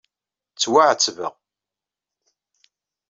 Ttwaɛettbeɣ.